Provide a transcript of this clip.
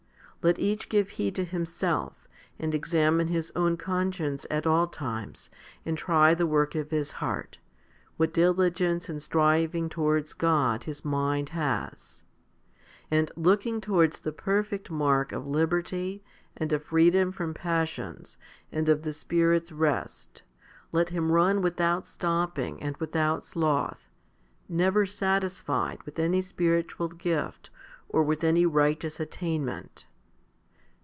Let each give heed to himself, and examine his own conscience at all times, and try the work of his heart, what diligence and striving towards God his mind has ; and looking towards the perfect mark, of liberty, and of freedom from passions, and of the Spirit's rest, let him run without stopping and without 'sloth, never satisfied with any spiritual gift or with any righteous attainment.